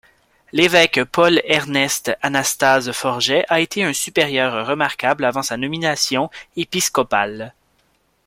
L'évêque Paul-Ernest-Anastase Forget a été un supérieur remarquable avant sa nomination épiscopale.